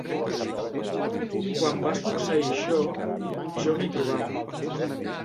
Quan va succeir això, jo m'hi trobava.